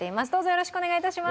よろしくお願いします